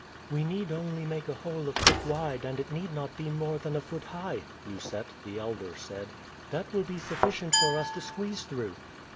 "We need only make a hole a foot wide, and it need not be more than a foot high," Lucette, the elder, said. "That will be sufficient for us to squeeze through."